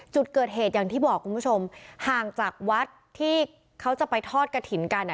จุดเกิดเหตุอย่างที่บอกคุณผู้ชมห่างจากวัดที่เขาจะไปทอดกระถิ่นกันอ่ะ